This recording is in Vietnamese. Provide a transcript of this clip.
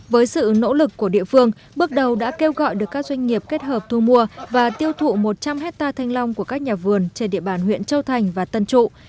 với sự nỗ lực của địa phương bước đầu đã kêu gọi được các doanh nghiệp kết hợp thu mua và tiêu thụ một trăm linh hectare thanh long của các nhà vườn trên địa bàn huyện châu thành và tân trụ